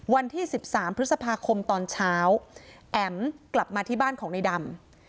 วันที่๑๓พฤษภาคมตอนเช้าแอ๋มกลับมาที่บ้านของในดำ